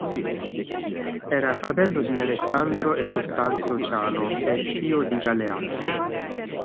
Era fratello di Alessandro e Costanzo Ciano e zio di Galeazzo.